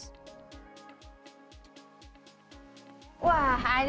sampai jumpa di video selanjutnya